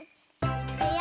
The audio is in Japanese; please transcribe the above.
いくよ。